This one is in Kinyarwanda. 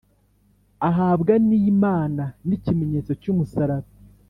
Ahabwa N Imana N Ikimenyetso cyumusaraba